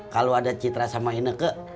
kalau ada citra sama ineke